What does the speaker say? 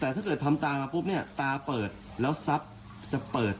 แต่ถ้าเจอทางบุฏฆ์ปุ๊บเนี่ยตาเปิดแล้วเซฟจะเปิด